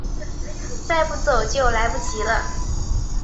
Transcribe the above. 再不走就来不及了